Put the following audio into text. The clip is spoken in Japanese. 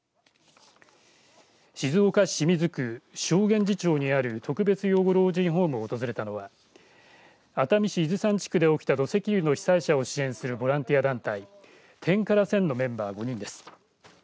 静岡市清水区承元寺町にある特別養護老人ホームを訪れたのは熱海市伊豆山地区で起きた土石流の被災者を支援するボランティア団体テンカラセンのメンバー５人です。